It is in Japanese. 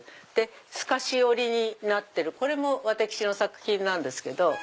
透かし織りになってるこれも私の作品なんですけど。